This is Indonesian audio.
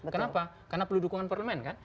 kenapa karena perlu dukungan parlemen kan